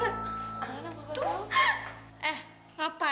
lo pada belum tau ya